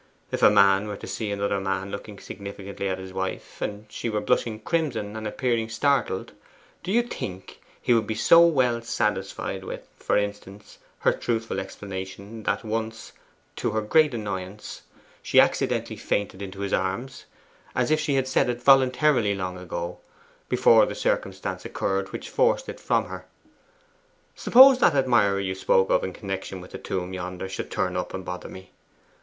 If a man were to see another man looking significantly at his wife, and she were blushing crimson and appearing startled, do you think he would be so well satisfied with, for instance, her truthful explanation that once, to her great annoyance, she accidentally fainted into his arms, as if she had said it voluntarily long ago, before the circumstance occurred which forced it from her? Suppose that admirer you spoke of in connection with the tomb yonder should turn up, and bother me.